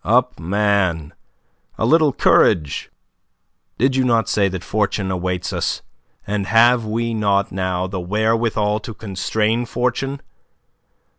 "Up, man, a little courage. Did you not say that fortune awaits us? And have we not now the wherewithal to constrain fortune?